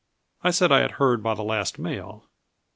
I said I had heard by the last mail.